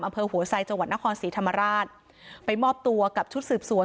อำเภอหัวไซจังหวัดนครศรีธรรมราชไปมอบตัวกับชุดสืบสวน